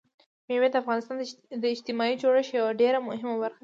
مېوې د افغانستان د اجتماعي جوړښت یوه ډېره مهمه برخه ده.